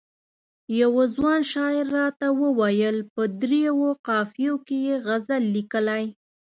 یوه ځوان شاعر راته وویل په دریو قافیو کې یې غزل لیکلی.